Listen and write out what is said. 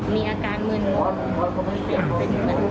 มีอาการเหมือนกัน